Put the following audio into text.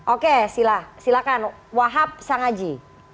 oke silahkan wahab sangaji